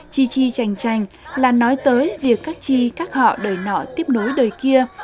chi chi chành chành là nói tới việc các chi các họ đời nọ tiếp nối đời kia